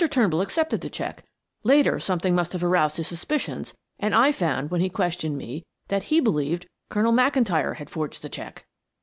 Turnbull accepted the check; later something must have aroused his suspicions, and I found when he questioned me that he believed Colonel McIntyre had forged the check."